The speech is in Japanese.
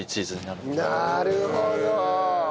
なるほど！